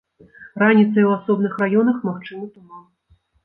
Раніцай у асобных раёнах магчымы туман.